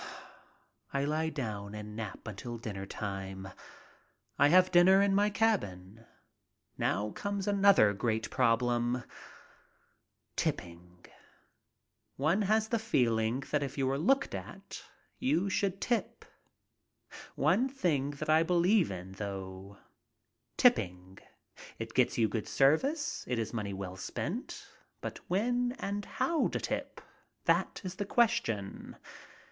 I lie down and nap until dinner time. I have dinner in my cabin. Now comes another great problem. Tipping. One has the feeling that if you are looked at you should tip. One thing that I believe in, though — tipping. It gets you good service. It is money well spent. But when and how to tip — that is the question.